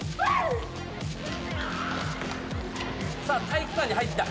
さあ体育館に入った。